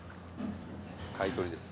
買い取りです」